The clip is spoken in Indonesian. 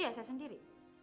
iya saya sendiri